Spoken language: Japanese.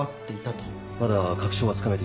まだ確証はつかめていません。